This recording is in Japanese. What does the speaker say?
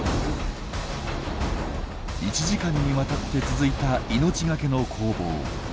１時間にわたって続いた命がけの攻防。